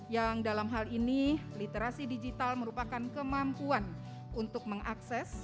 yang dalam hal ini literasi digital merupakan kemampuan untuk mengakses